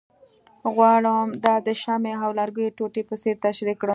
غواړم دا د شمعې او لرګیو ټوټې په څېر تشریح کړم،